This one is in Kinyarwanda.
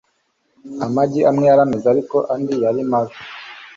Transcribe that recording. Amagi amwe yari meza ariko andi yari mabi